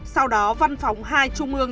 sau đó văn phòng hai trung ương